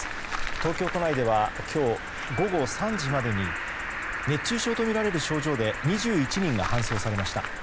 東京都内では今日午後３時までに熱中症とみられる症状で２１人が搬送されました。